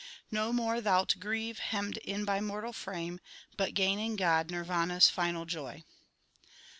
No more thou lt grieve, hemmed in by mortal frame, But gain in God Nirvana s final joy.